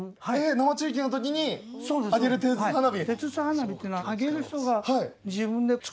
生中継のときに揚げる手筒花火。